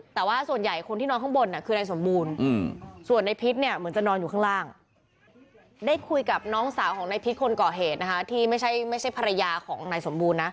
แต่ว่าส่วนใหญ่คนที่นอนข้างบนคือนายสมบูรณ์ส่วนในพิษเนี่ยเหมือนจะนอนอยู่ข้างล่างได้คุยกับน้องสาวของนายพิษคนก่อเหตุนะคะที่ไม่ใช่ภรรยาของนายสมบูรณ์นะ